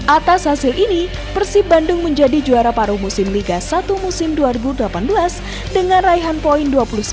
atas hasil ini persib bandung menjadi juara paru musim liga satu musim dua ribu delapan belas dengan raihan poin dua puluh sembilan